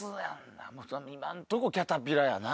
今のとこキャタピラーやな。